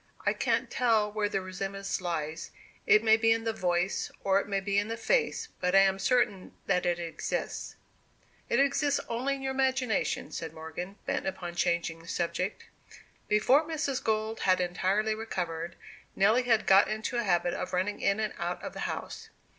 I can't tell where the resemblance lies it may be in the voice, or it may be in the face, but I am certain that it exists." "It exists only in your imagination," said Morgan, bent upon changing the subject. Before Mrs. Gold had entirely recovered, Nelly had got into a habit of running in and out of the house.